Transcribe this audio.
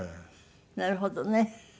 なるほどね。